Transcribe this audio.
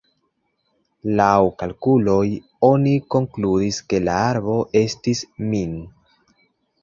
Laŭ kalkuloj, oni konkludis, ke la arbo estis min.